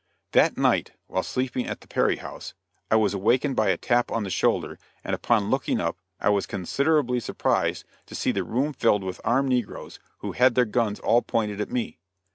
That night while sleeping at the Perry House, I was awakened by a tap on the shoulder and upon looking up I was considerably surprised to see the room filled with armed negroes who had their guns all pointed at me.